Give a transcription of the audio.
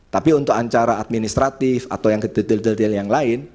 tapi untuk acara administratif atau yang detail detail yang lain